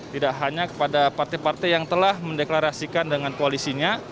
tidak hanya kepada partai partai yang telah mendeklarasikan dengan koalisinya